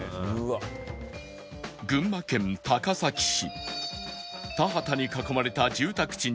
群馬県高崎市